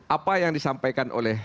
apa yang disampaikan oleh